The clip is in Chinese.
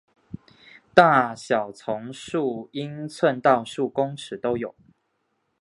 大小从数英寸到数公尺都有。